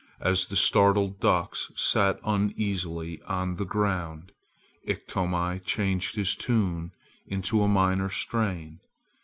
As the startled ducks sat uneasily on the ground, Iktomi changed his tune into a minor strain.